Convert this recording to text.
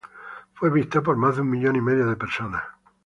Fue vista por más de un millón y medio de personas.